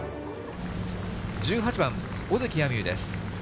１８番、尾関彩美悠です。